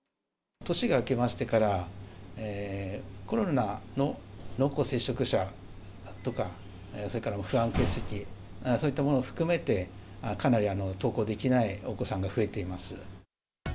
年が明けましてから、コロナの濃厚接触者とか、それから不安欠席、そういったものを含めて、かなり登校できないお子さんが増えています。